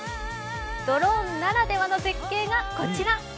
ドローンならではの絶景がこちら。